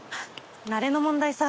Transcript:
慣れの問題さ。